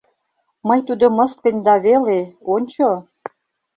— Мый тудо мыскынь да веле... ончо!